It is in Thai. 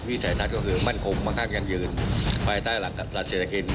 วิทยาศาสตร์ก็คือมั่นคมข้างก่างเงินไปได้หลักระดับเศรษฐกิญ